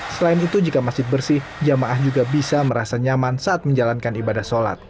selain itu jika masjid bersih jamaah juga bisa merasa nyaman saat menjalankan ibadah sholat